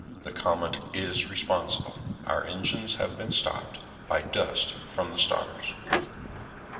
The comet is responsible. Our engines have been stopped by dust from the stars."